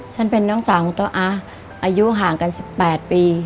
เป็นน้องสาวของโต๊ะอาอายุห่างกัน๑๘ปี